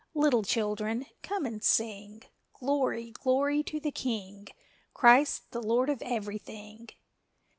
Little children, come and sing, "Glory, glory to the King, Christ the Lord of everything!"